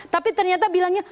tapi ternyata bilangnya